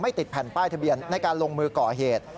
ติดแผ่นป้ายทะเบียนในการลงมือก่อเหตุ